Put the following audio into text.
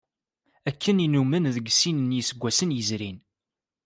Akken i nnumen deg sin n yiseggasen yezrin.